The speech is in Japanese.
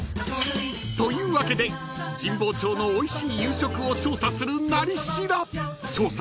［というわけで神保町のおいしい夕食を調査する「なり調」］